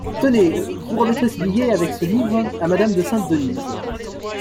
Tenez, vous remettrez ce billet, avec ce livre, à madame de Sainte-Denize…